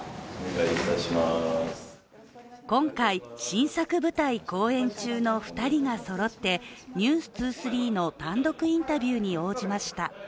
今回、新作舞台公演中の２人がそろって「ｎｅｗｓ２３」の単独インタビューに応じました。